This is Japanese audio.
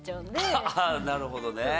なるほどね。